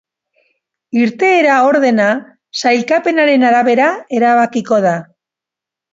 Irteera ordena sailkapenaren arabera erabakiko da.